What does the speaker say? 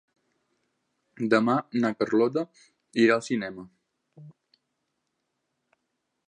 Demà na Carlota irà al cinema.